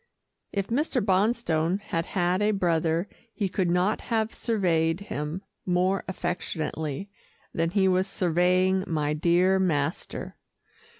If Mr. Bonstone had had a brother, he could not have surveyed him more affectionately than he was surveying my dear master.